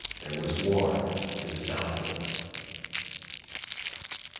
There was war to the southward.